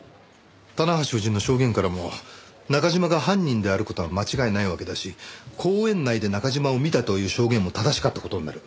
棚橋夫人の証言からも中嶋が犯人である事は間違いないわけだし公園内で中嶋を見たという証言も正しかった事になる。